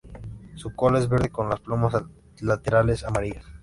Su cola es verde con las plumas laterales amarillas.